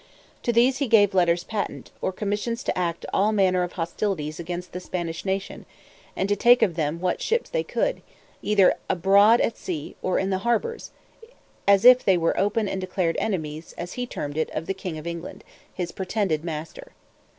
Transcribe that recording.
To these he gave letters patent, or commissions to act all manner of hostilities against the Spanish nation, and take of them what ships they could, either abroad at sea, or in the harbours, as if they were open and declared enemies (as he termed it) of the king of England, his pretended master.